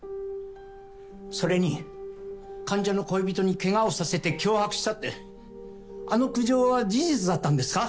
それに患者の恋人にケガをさせて脅迫したってあの苦情は事実だったんですか？